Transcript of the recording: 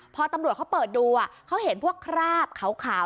พอตำรวจเขาเปิดดูเขาเห็นพวกคราบขาว